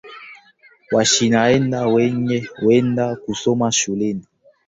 Wasichana wengi huenda kusoma shuleni